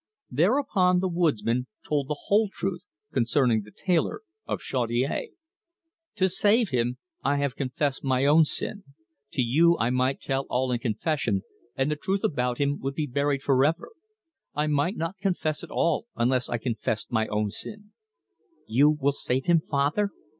Thereupon the woodsman told the whole truth concerning the tailor of Chaudiere. "To save him, I have confessed my own sin. To you I might tell all in confession, and the truth about him would be buried for ever. I might not confess at all unless I confessed my own sin. You will save him, father?"